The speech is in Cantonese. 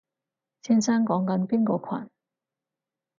先生講緊邊個群？